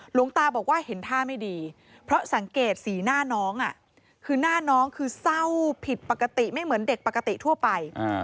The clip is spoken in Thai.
หลวงตาบอกว่าเห็นท่าไม่ดีเพราะสังเกตสีหน้าน้องคือหน้าน้องคือเศร้าผิดปกติไม่เหมือนเด็กปกติทั่วไป